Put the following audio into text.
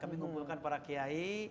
kami mengumpulkan para kiai